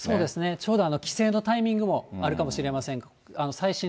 ちょうど帰省のタイミングもあるかもしれません。